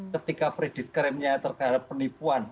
ketika kredit krimnya terhadap penipuan